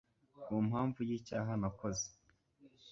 ku mpamvu y’icyaha nakoze